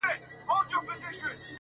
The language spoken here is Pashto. o ليري له بلا سومه، چي ستا سومه.